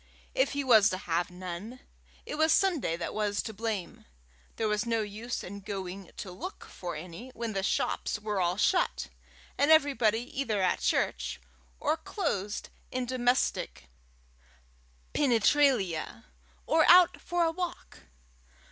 If he was to have none, it was Sunday that was to blame: there was no use in going to look for any when the shops were all shut, and everybody either at church, or closed in domestic penetralia, or out for a walk.